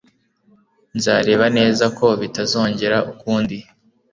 Nzareba neza ko bitazongera ukundi